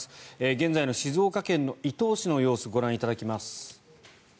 現在の静岡県の伊東市の様子ご覧いただきます。